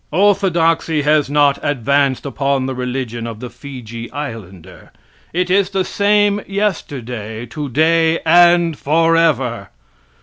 Orthodoxy has not advanced upon the religion of the Fiji Islander. It is the same yesterday, today and forever.